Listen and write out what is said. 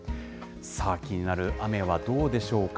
さあ、気になる雨はどうでしょうか。